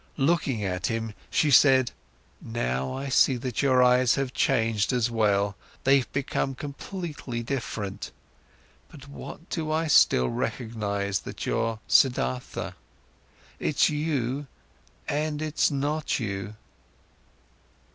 Looking at him, she said: "Now I see that your eyes have changed as well. They've become completely different. By what do I still recognise that you're Siddhartha? It's you, and it's not you."